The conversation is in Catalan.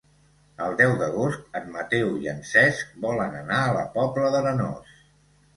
El deu d'agost en Mateu i en Cesc volen anar a la Pobla d'Arenós.